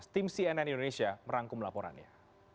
tim cnn indonesia merangkum laporannya